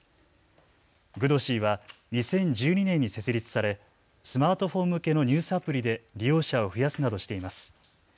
グノシーは２０１２年に設立されスマートフォン向けのニュースアプリで利用者を増やすなどしています。